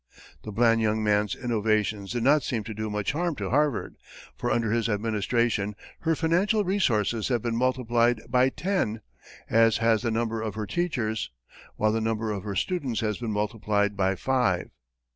The bland young man's innovations did not seem to do much harm to Harvard, for under his administration, her financial resources have been multiplied by ten, as has the number of her teachers, while the number of her students has been multiplied by five.